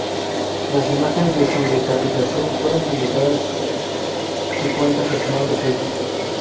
Las imágenes de su decapitación fueron publicadas su cuenta personal de Facebook.